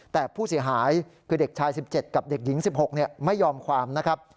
แต่ผู้เสียหายคือเด็กชาย๑๗กับเด็กหญิง๑๖ไม่ยอมความนะครับ